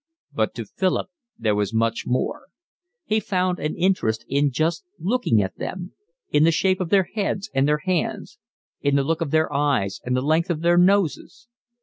But to Philip there was much more. He found an interest in just looking at them, in the shape of their heads and their hands, in the look of their eyes and the length of their noses.